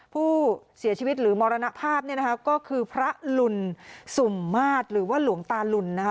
ผู้เสียชีวิตหรือมรณภาพเนี่ยนะคะก็คือพระลุนสุ่มมาตรหรือว่าหลวงตาลุนนะคะ